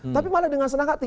tapi malah dengan senang hati